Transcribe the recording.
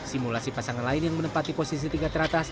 simulasi pasangan lain yang menempati posisi tiga teratas